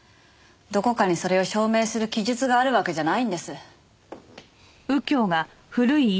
どこかにそれを証明する記述があるわけじゃないんです。